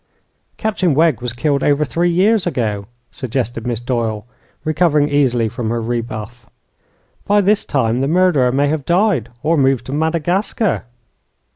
"Captain Wegg was killed over three years ago," suggested Miss Doyle, recovering easily from her rebuff. "By this time the murderer may have died or moved to Madagascar."